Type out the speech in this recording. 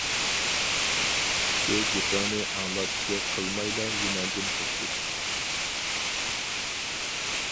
شۇ گېپىڭنى ئاڭلاپ گەپ قىلمايلا يېنىڭدىن كەتتىم.